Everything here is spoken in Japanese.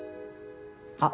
あっ。